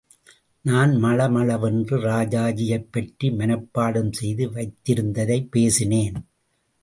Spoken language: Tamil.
நான் மளமளவென்று ராஜாஜியைப் பற்றி மனப்பாடம் செய்து வைத்திருந்ததைப் பேசினேன்.